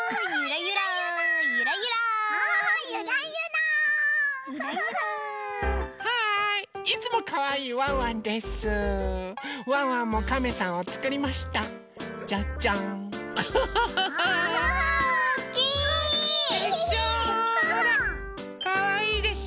ほらかわいいでしょ？